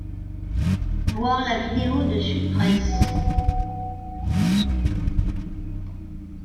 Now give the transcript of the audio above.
Voir la vidéo de SudPresse.